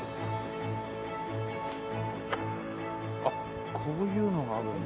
あっこういうのがあるんだ。